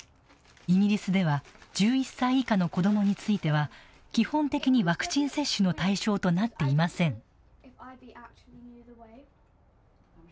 イギリスでは１１歳以下の子どもについては基本的に、ワクチン接種の対象となっていません。